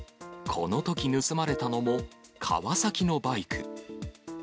このとき盗まれたのも、カワサキのバイク。